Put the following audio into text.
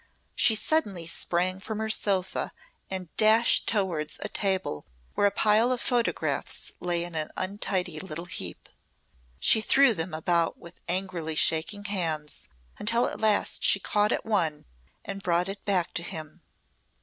She suddenly sprang from her sofa and dashed towards a table where a pile of photographs lay in an untidy little heap. She threw them about with angrily shaking hands until at last she caught at one and brought it back to him.